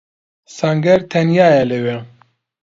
سەنگەر تەنیایە لەوێ.